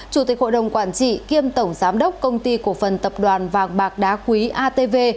chủ tịch hội đồng quản trị kiêm tổng giám đốc công ty cổ phần tập đoàn vàng bạc đá quý atv